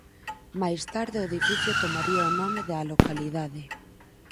Máis tarde o edificio tomaría o nome da localidade.